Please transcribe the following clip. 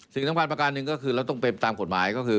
สิ่งสำคัญประการหนึ่งก็คือเราต้องเป็นตามกฎหมายก็คือ